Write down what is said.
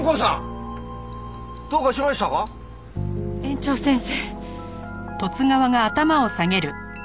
園長先生。